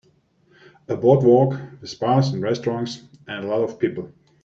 A boardwalk with bars and restaurants and a lot of people.